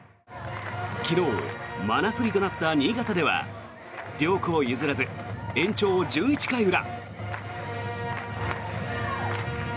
昨日、真夏日となった新潟では両校譲らず延長１１回裏。